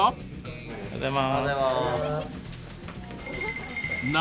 おはようございます。